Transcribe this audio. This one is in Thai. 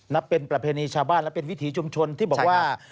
นับเป็นประเพณีชาวบ้านและเป็นวิถีชุมชนที่บอกว่า